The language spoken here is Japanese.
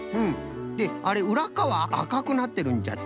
であれうらっかわあかくなってるんじゃって。